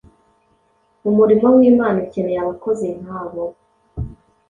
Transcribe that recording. Umurimo w’Imana ukeneye abakozi nk’abo,